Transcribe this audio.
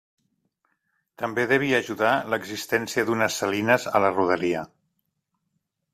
També devia ajudar l'existència d'unes salines a la rodalia.